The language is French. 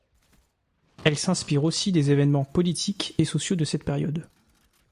Elle s'inspire aussi des événements politiques et sociaux de cette période.